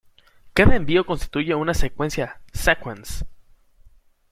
Cada envío constituye una secuencia "sequence".